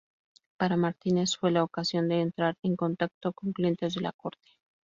Para Martínez fue la ocasión de entrar en contacto con clientes de la Corte.